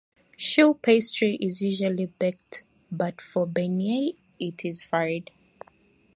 Choux pastry is usually baked but for beignets it is fried.